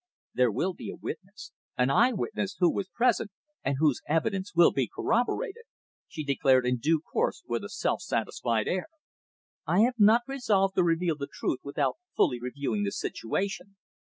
There will be a witness an eye witness, who was present, and whose evidence will be corroborated," she declared in due course with a self satisfied air. "I have not resolved to reveal the truth without fully reviewing the situation.